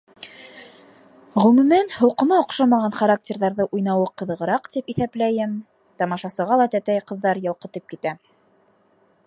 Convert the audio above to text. Ғөмүмән, холҡома оҡшамаған характерҙарҙы уйнауы ҡыҙығыраҡ, тип иҫәпләйем, тамашасыға ла тәтәй ҡыҙҙар ялҡытып китә.